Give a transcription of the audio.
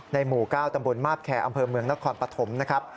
หมู่๙ตำบลมาบแคร์อำเภอเมืองนครปฐมนะครับ